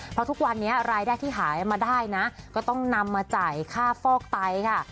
เพราะทุกวันนี้รายได้ที่หายมาได้นะก็ต้องนำมาจ่ายค่าฟอกไตค่ะ